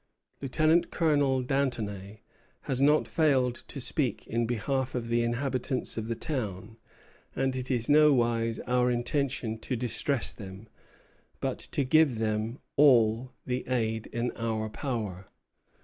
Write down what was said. Lieutenant Colonel D'Anthonay has not failed to speak in behalf of the inhabitants of the town; and it is nowise our intention to distress them, but to give them all the aid in our power.